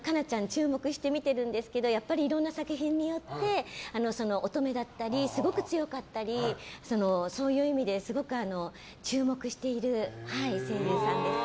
注目して見てるんですけどやっぱりいろんな作品によって乙女だったりすごく強かったりそういう意味ですごく注目している声優さんです。